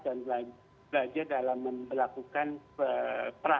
dan belajar dalam melakukan peraturan